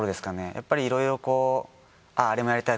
やっぱりいろいろこうあっあれもやりたい